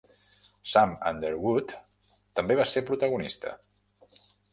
Sam Underwood també va ser protagonista.